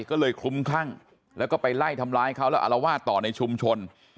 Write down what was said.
ก็เลยคลุ้มคลั่งแล้วก็ไปไล่ทำร้ายเขาแล้วอารวาสต่อในชุมชน